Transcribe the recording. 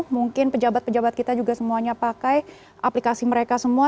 mungkin pejabat pejabat kita juga semuanya pakai aplikasi mereka semua